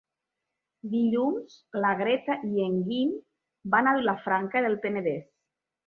Dilluns na Greta i en Guim van a Vilafranca del Penedès.